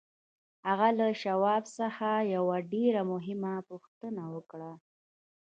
هغه له شواب څخه یوه ډېره مهمه پوښتنه وکړه